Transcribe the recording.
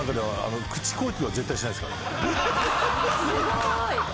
・すごい！